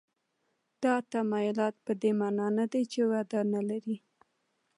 دا تمایلات په دې معنا نه دي چې وده نه لري.